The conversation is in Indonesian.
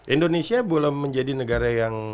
indonesia belum menjadi negara yang